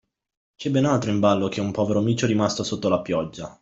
C’è ben altro in ballo che un povero micio rimasto sotto la pioggia